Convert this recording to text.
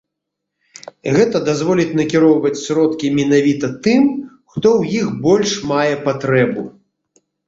Гэта дазволіць накіроўваць сродкі менавіта тым, хто ў іх больш мае патрэбу.